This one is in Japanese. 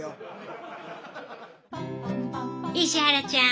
石原ちゃん！